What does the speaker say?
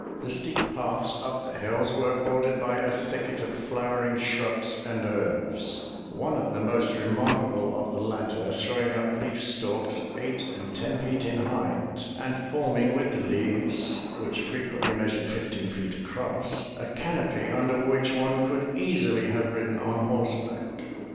The steep paths up the hills were bordered by a thicket of flowering shrubs and herbs, one of the most remarkable of the latter throwing up leaf stalks eight and ten feet in height and forming with the leaves which frequently measured fifteen feet across, a canopy under which one could easily have ridden on horseback.